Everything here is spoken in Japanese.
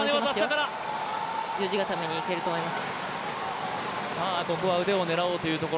十字固めにいけると思います。